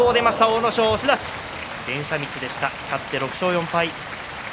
阿武咲、勝って６勝４敗。